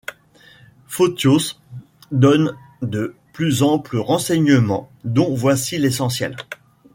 Photios donne de plus amples renseignements dont voici l’essentiel.